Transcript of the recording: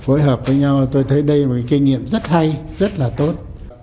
phối hợp với nhau tôi thấy đây là một kinh nghiệm rất hay rất là tốt